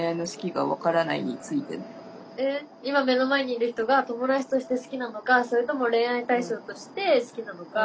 えっ今目の前にいる人が友達として好きなのかそれとも恋愛対象として好きなのか。